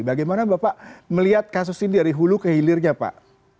bagaimana bapak melihat kasus ini dari hulu ke hilirnya pak